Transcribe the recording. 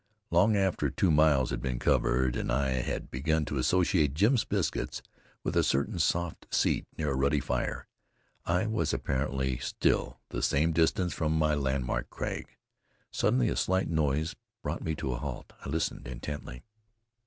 Long after two miles had been covered, and I had begun to associate Jim's biscuits with a certain soft seat near a ruddy fire, I was apparently still the same distance from my landmark crag. Suddenly a slight noise brought me to a halt. I listened intently.